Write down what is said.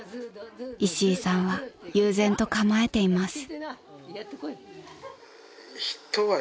［石井さんは悠然と構えています］